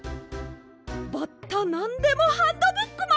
「バッタなんでもハンドブック」まで！